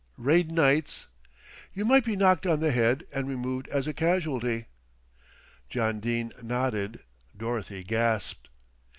"Raid nights!" "You might be knocked on the head and removed as a casualty." John Dene nodded, Dorothy gasped.